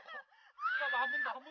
kita ke dalam sana